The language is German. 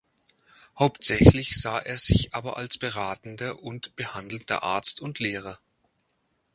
Hauptsächlich sah er sich aber als beratender und behandelnder Arzt und Lehrer.